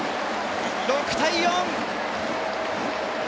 ６対４！